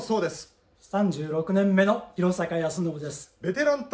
３６年目の広坂安伸です。